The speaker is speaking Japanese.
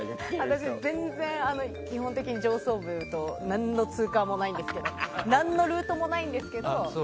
私、全然基本的に上層部と何のツーカーもないんですけど何のルートもないんですけど。